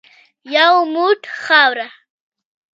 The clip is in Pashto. یو موټ خاوره .